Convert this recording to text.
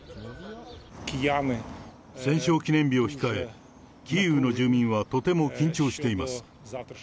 戦勝記念日を控え、キーウの住民はとても緊張しています。